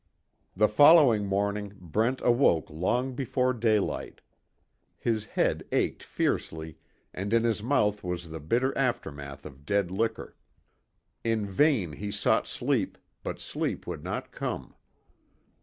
The following morning Brent awoke long before daylight. His head ached fiercely and in his mouth was the bitter aftermath of dead liquor. In vain he sought sleep, but sleep would not come.